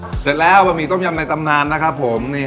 เสร็จแล้วบะหมี่ต้มยำในตำนานนะครับผมนี่